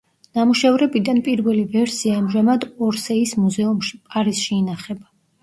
ნამუშევრებიდან პირველი ვერსია ამჟამად ორსეის მუზეუმში, პარიზში ინახება.